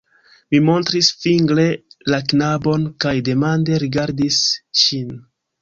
Mi montris fingre la knabon kaj demande rigardis ŝin.